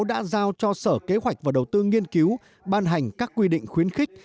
đã giao cho sở kế hoạch và đầu tư nghiên cứu ban hành các quy định khuyến khích